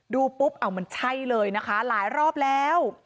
ดูปุ๊บเอามันใช่เลยนะคะหลายรอบแล้ว